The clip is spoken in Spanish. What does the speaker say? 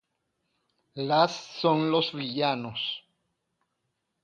Las son los villanos.